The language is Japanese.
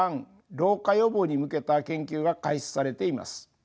老化予防に向けた研究が開始されています。